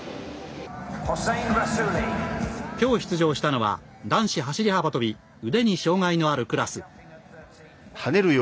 きょう出場したのは男子走り幅跳び腕に障がいのあるクラス。